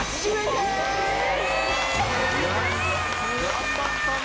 頑張ったな！